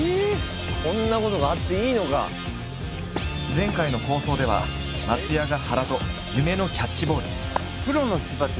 前回の放送では松也が原と夢のキャッチボール。